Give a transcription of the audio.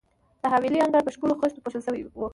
د حویلۍ انګړ په ښکلو خښتو پوښل شوی وو.